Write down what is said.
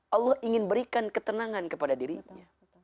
allah ingin berikan ketenangan kepada dirinya